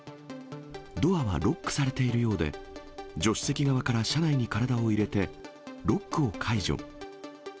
ドアはロックされているようで、助手席側から車内に体を入れて、ロックを解除。